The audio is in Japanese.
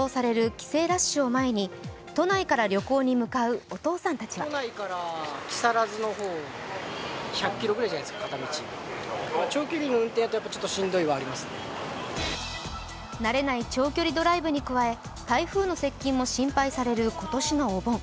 帰省ラッシュを前に都内から旅行に向かうお父さんたちは慣れない長距離ドライブに加え、台風の接近も心配される今年のお盆。